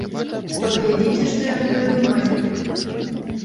Паглядзіце, што яны прыдумалі!